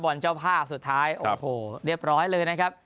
เจ้าภาพสุดท้ายโอ้โหเรียบร้อยเลยนะครับ